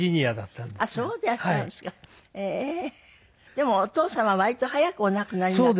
でもお父様割と早くお亡くなりになった。